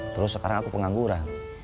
terus sekarang aku pengangguran